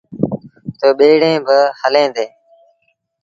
تا ٻيڙيٚن با هليݩ ديٚݩ۔